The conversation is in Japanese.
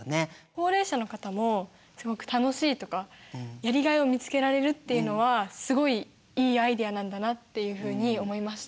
高齢者の方もすごく楽しいとかやりがいを見つけられるっていうのはすごいいいアイデアなんだなっていうふうに思いました。